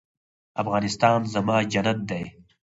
افغانستان زما جنت دی